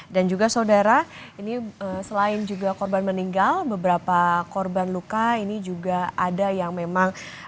dan juga saudara ini selain juga korban meninggal beberapa korban luka ini juga ada yang memang